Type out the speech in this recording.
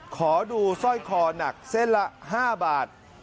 ขอดูสร้อยคอหนักเส้นละ๕บาท